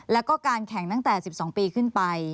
แล้วก็การแข่งตั้งแต่๑๒ปีขึ้นไป